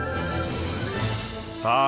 さあ